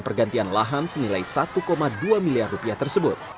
pergantian lahan senilai satu dua miliar rupiah tersebut